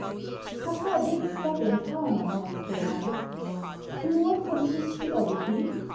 •Papa did stop in town on Wednesday night" " In what consists the oddity